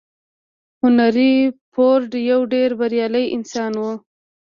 هنري فورډ يو ډېر بريالی انسان و.